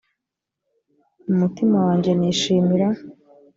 mu mutima wanjye nishimira